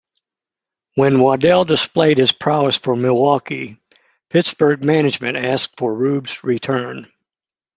When Waddell displayed his prowess for Milwaukee, Pittsburgh management asked for Rube's return.